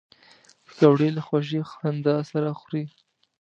پکورې له خوږې خندا سره خوري